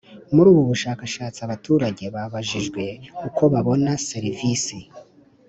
Muri ubu bushakashatsi abaturage babajijwe uko babona ser isi